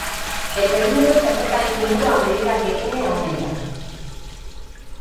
El perímetro se acerca a infinito a medida que n aumenta.